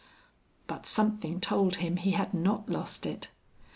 But something told him he had not lost it.